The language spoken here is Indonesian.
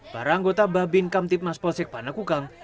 para anggota babin kamtipmas polsek panakukang